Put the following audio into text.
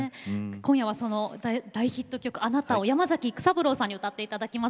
今夜はその大ヒット曲「あなた」を山崎育三郎さんに歌っていただきます。